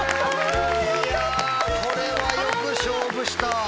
いやこれはよく勝負した。